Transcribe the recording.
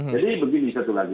jadi begini satu lagi